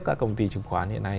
các công ty chứng khoán hiện nay